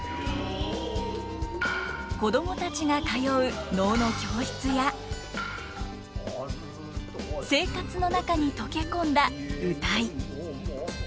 子供たちが通う能の教室や生活の中に溶け込んだ謡。